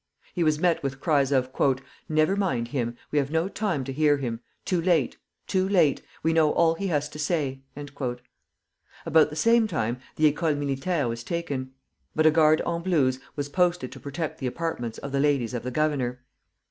He was met with cries of "Never mind him! We have no time to hear him! Too late, too late! We know all he has to say!" About the same time the École Militaire was taken; but a guard en blouse was posted to protect the apartments of the ladies of the governor.